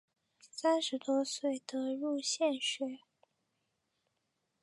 三十多岁得入县学。